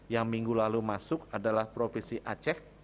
yang minggu lalu masuk adalah provinsi aceh